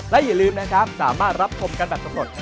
และอย่าลืมนะครับสามารถรับชมกันแบบสำรวจ